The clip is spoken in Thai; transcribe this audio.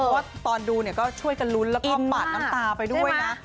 เพราะว่าตอนดูเนี่ยก็ช่วยกันลุ้นแล้วก็ปาดน้ำตาไปด้วยนะ